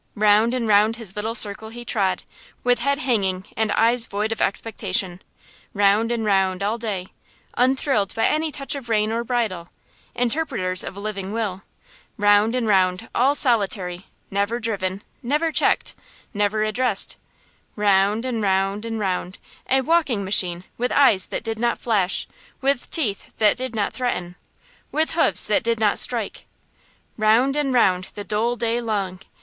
Round and round his little circle he trod, with head hanging and eyes void of expectation; round and round all day, unthrilled by any touch of rein or bridle, interpreters of a living will; round and round, all solitary, never driven, never checked, never addressed; round and round and round, a walking machine, with eyes that did not flash, with teeth that did not threaten, with hoofs that did not strike; round and round the dull day long.